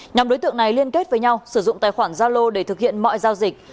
nhóm đối tượng này liên kết với nhau sử dụng tài khoản gia lô để thực hiện mọi giao dịch